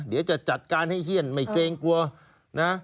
เดี๋ยวจะจัดการให้เฮียนไม่เกรงกลัวนะ